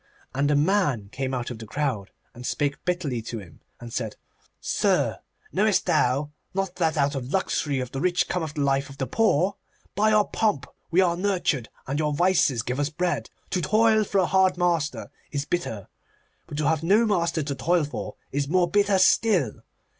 And a man came out of the crowd and spake bitterly to him, and said, 'Sir, knowest thou not that out of the luxury of the rich cometh the life of the poor? By your pomp we are nurtured, and your vices give us bread. To toil for a hard master is bitter, but to have no master to toil for is more bitter still.